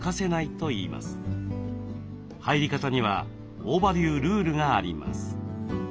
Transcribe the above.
入り方には大庭流ルールがあります。